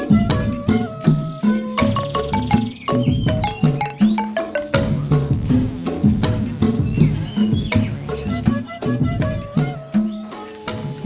udah selesai belanja nya